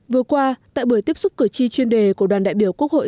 vừa qua tại buổi tiếp xúc cử tri chuyên đề của đoàn đại biểu quốc hội